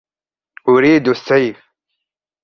أريد السيف!